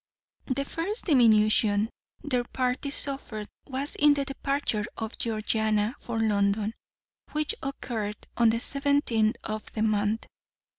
The first diminution their party suffered was in the departure of Georgiana for London, which occurred on the seventeenth of the month.